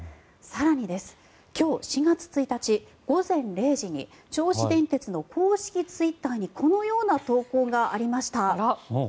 更に、今日４月１日午前０時に銚子電鉄の公式ツイッターにこのような投稿がありました。